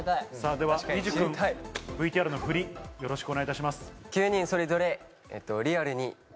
ではＥＪ君ＶＴＲのふりよろしくお願いいたします。